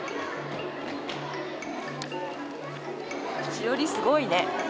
しおりすごいね。